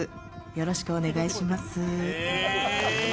よろしくお願いします。